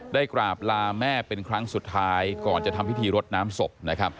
กราบลาแม่เป็นครั้งสุดท้ายก่อนจะทำพิธีรดน้ำศพนะครับ